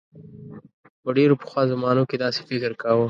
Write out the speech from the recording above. په ډیرو پخوا زمانو کې داسې فکر کاؤ.